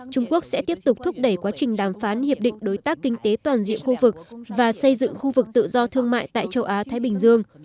trung quốc sẽ tiếp tục thúc đẩy quá trình đàm phán hiệp định đối tác kinh tế toàn diện khu vực và xây dựng khu vực tự do thương mại tại châu á thái bình dương